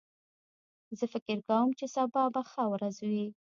زه فکر کوم چې سبا به ښه ورځ وي